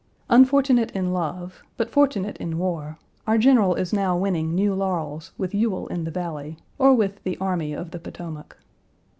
Unfortunate in love, but fortunate in war, our general is now winning new laurels with Ewell in the Valley or with the Army of the Potomac.